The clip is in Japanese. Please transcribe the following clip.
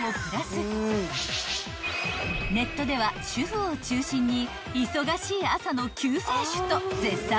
［ネットでは主婦を中心に忙しい朝の救世主と絶賛の嵐］